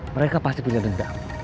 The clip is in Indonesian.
mereka pasti punya dendam